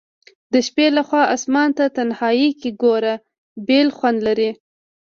د شپي لخوا آسمان ته تنهائي کي ګوره بیل خوند لري